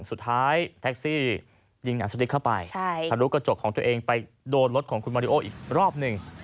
สุดท้ายแท็กซี่ยิงอัศดิตเข้าไปทะลุกระจกของตัวเองไปโดนรถของคุณมาริโออีกรอบหนึ่ง